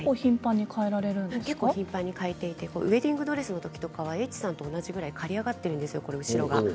結構、頻繁に変えていてウエディングドレスのときはＨさんと同じぐらい後ろが刈り上がっているんです。